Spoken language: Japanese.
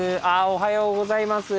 おはようございます。